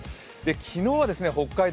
昨日は北海道